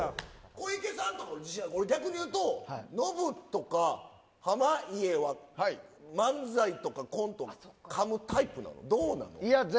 小池さんのところは逆にいうと、ノブとか濱家は漫才とかコントでかむタイプなの？